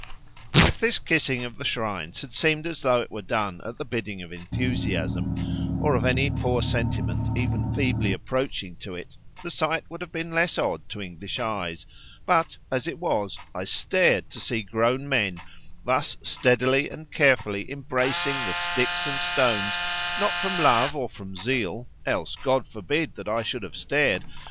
If this kissing of the shrines had seemed as though it were done at the bidding of enthusiasm, or of any poor sentiment even feebly approaching to it, the sight would have been less odd to English eyes; but as it was, I stared to see grown men thus steadily and carefully embracing the sticks and the stones, not from love or from zeal (else God forbid that I should have stared!)